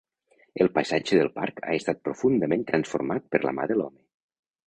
El paisatge del Parc ha estat profundament transformat per la mà de l'home.